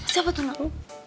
siapa tuh nak